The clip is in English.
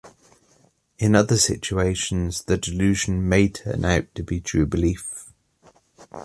In other situations the delusion may turn out to be true belief.